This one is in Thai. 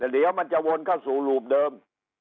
เดี๋ยวมันจะวนเข้าสู่รูปเดิม